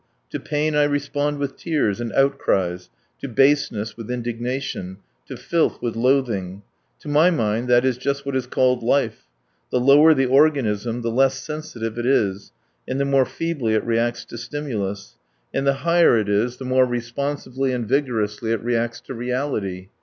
To pain I respond with tears and outcries, to baseness with indignation, to filth with loathing. To my mind, that is just what is called life. The lower the organism, the less sensitive it is, and the more feebly it reacts to stimulus; and the higher it is, the more responsively and vigorously it reacts to reality.